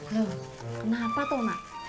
loh kenapa tuh emak